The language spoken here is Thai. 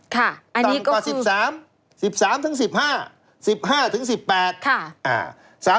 ต่ำกว่า๑๓๑๕